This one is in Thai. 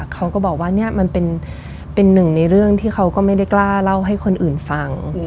เขาก็บอกว่าเนี่ยมันเป็นหนึ่งในเรื่องที่เขาก็ไม่ได้กล้าเล่าให้คนอื่นฟัง